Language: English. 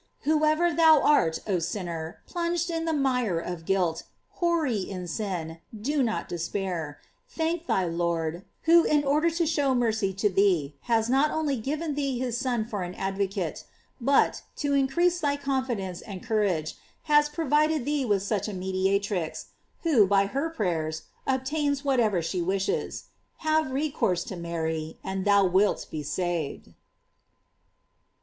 * Whoever thou art, oh sin ner, plunged in the mire of guilt, hoary in sin, do not despair; thank thy Lord, who in order to show mercy to thee, has not only given thee his Son for an advocate, but, to increase thy confidence and courage, has provided thee with such a mediatrix, who, by her prayers, obtains whatever she wishes. Have recourse to Mary, and thou wilt be saved.